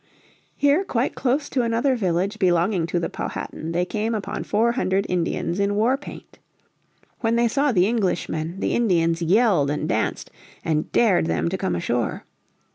Here quite close to another village belonging to the Powhatan they came upon four hundred Indians in war paint. When they saw the Englishmen the Indians yelled and danced, and dared them to come ashore.